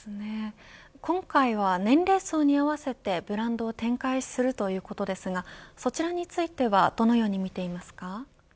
今回は年齢層に合わせてブランドを展開するということですがそちらについてはどのように見ていますか。